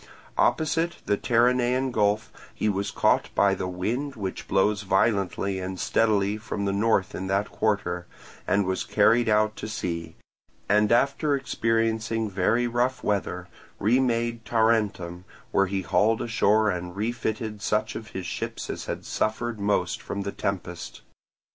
Opposite the Terinaean Gulf he was caught by the wind which blows violently and steadily from the north in that quarter, and was carried out to sea; and after experiencing very rough weather, remade Tarentum, where he hauled ashore and refitted such of his ships as had suffered most from the tempest.